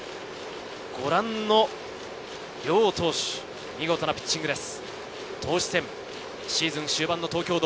ご覧の両投手、見事なピッチングです。